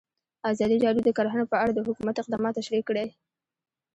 ازادي راډیو د کرهنه په اړه د حکومت اقدامات تشریح کړي.